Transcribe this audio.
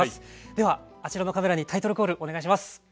ではあちらのカメラにタイトルコールお願いします。